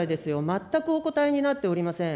全くお答えになっておりません。